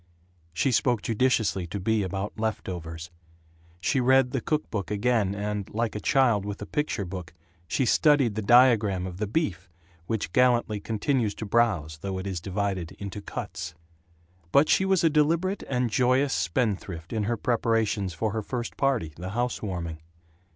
She spoke judiciously to Bea about left overs. She read the cookbook again and, like a child with a picture book, she studied the diagram of the beef which gallantly continues to browse though it is divided into cuts. But she was a deliberate and joyous spendthrift in her preparations for her first party, the housewarming.